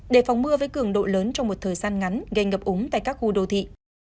đề phòng mưa với cường độ lớn trong một thời gian ngắn gây ngập úng tại các khu đô thị